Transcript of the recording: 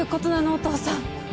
お父さん。